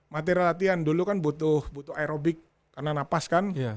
material latihan dulu kan butuh aerobik karena napas kan